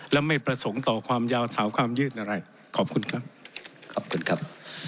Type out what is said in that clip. และไม่ประสงค์ต่อความยาวสาวความยืดอะไรขอบคุณครับขอบคุณครับ